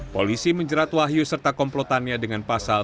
polisi menjerat wahyu serta komplotannya dengan pasal